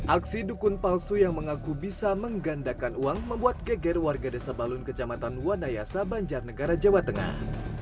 aksi dukun palsu yang mengaku bisa menggandakan uang membuat geger warga desa balun kecamatan wanayasa banjarnegara jawa tengah